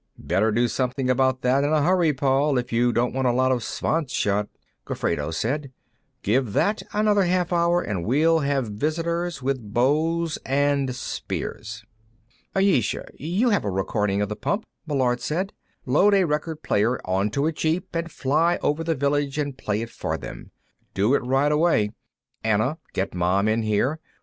"Better do something about that in a hurry, Paul, if you don't want a lot of Svants shot," Gofredo said. "Give that another half hour and we'll have visitors, with bows and spears." "Ayesha, you have a recording of the pump," Meillard said. "Load a record player onto a jeep and fly over the village and play it for them. Do it right away. Anna, get Mom in here.